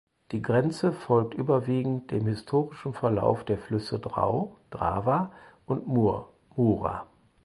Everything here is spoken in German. Die Grenze folgt überwiegend dem historischen Verlauf der Flüsse Drau (Drava) und Mur (Mura).